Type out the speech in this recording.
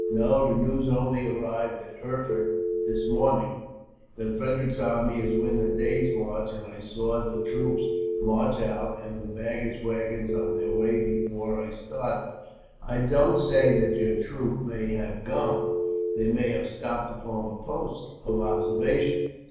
"No, the news only arrived at Erfurt, this morning, that Frederick's army is within a day's march; and I saw the troops march out, and the baggage waggons on their way before I started. I don't say that your troop may have gone. They may have stopped to form a post of observation."